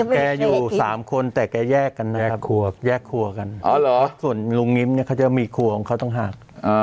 แกอยู่๓คนแต่แกแยกกันนะครับแยกครัวกันบริษัทจำส่วนลุงมิ้มนี่เขาจะมีครัวของเขาต้องหัก